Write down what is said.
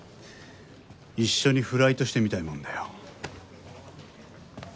一緒にフライトしてみたいもんだよ。